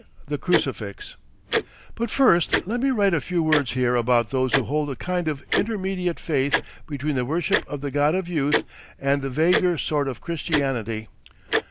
THE CRUCIFIX But first let me write a few words here about those who hold a kind of intermediate faith between the worship of the God of Youth and the vaguer sort of Christianity.